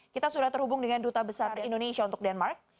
kita sudah terhubung dengan duta besar indonesia untuk denmark